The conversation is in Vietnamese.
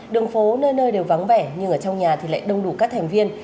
đường phố nơi nơi đều vắng vẻ nhưng ở trong nhà thì lại đông đủ các thành viên